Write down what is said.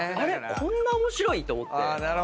こんな面白い？って思って。